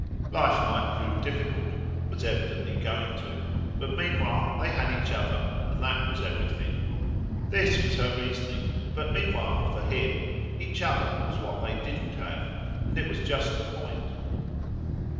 Life might prove difficult was evidently going to; but meanwhile they had each other, and that was everything. This was her reasoning, but meanwhile, for HIM, each other was what they didn't have, and it was just the point.